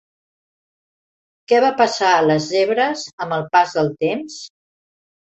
Què va passar a les zebres amb el pas del temps?